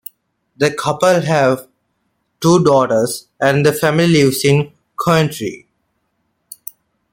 The couple have two daughters, and the family lives in Coventry.